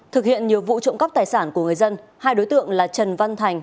thực hiện nhiều vụ trộm cắp tài sản của người dân hai đối tượng là trần văn thành